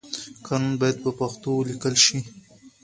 قانون بايد په پښتو وليکل شي.